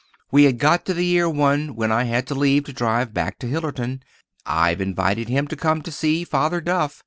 We had got to the year one when I had to leave to drive back to Hillerton. I've invited him to come to see Father Duff.